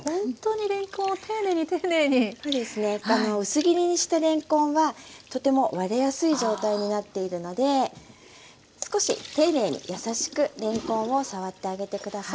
薄切りにしたれんこんはとても割れやすい状態になっているので少し丁寧に優しくれんこんを触ってあげて下さい。